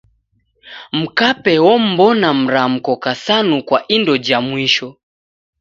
Mkape om'mbona mramko kasanu kwa indo ja mwisho.